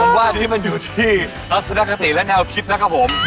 ผมว่าที่มันอยู่ที่ลักษณะคติและแนวคิดนะครับผม